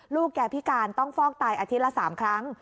แกพิการต้องฟอกไตอาทิตย์ละ๓ครั้ง